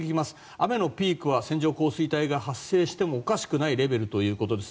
雨のピークは線状降水帯が発生してもおかしくないレベルということです。